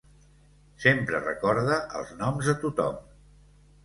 Sempre recorda els noms de tothom.